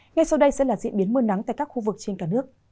ngay sau đây sẽ là diễn biến mưa nắng tại các khu vực trên cả nước